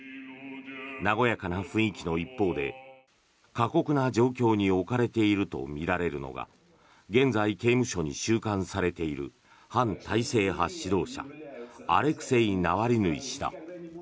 和やかな雰囲気の一方で過酷な状況に置かれているとみられるのが現在、刑務所に収監されている反体制派指導者アレクセイ・ナワリヌイ氏だ。